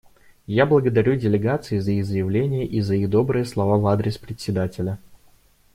Я благодарю делегации за их заявления и за их добрые слова в адрес Председателя.